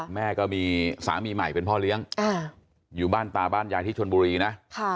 แม่ก็มีสามีใหม่เป็นพ่อเลี้ยงอยู่บ้านตาบ้านยายที่ชนบุรีนะ